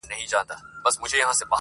نه له خدای او نه رسوله یې بېرېږې،